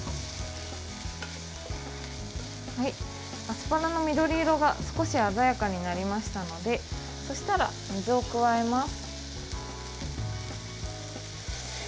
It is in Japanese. アスパラの緑色が少し鮮やかになりましたのでそしたら、水を加えます。